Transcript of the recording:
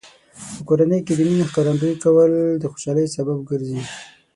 په کورنۍ کې د مینې ښکارندوی کول د خوشحالۍ سبب ګرځي.